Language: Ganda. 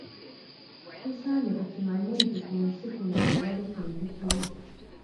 Tusaanye tukimanye nti ku nsi kuno tewali kintu kibi.